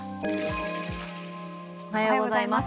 おはようございます。